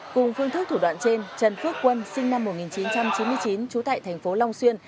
cùng phương thức thủ đoạn trên trần phước quân sinh năm một nghìn chín trăm chín mươi chín trú tại thành phố long xuyên